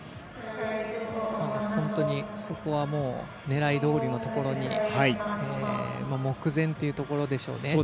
本当にそこはもう狙いどおりのところに目前というところでしょうね。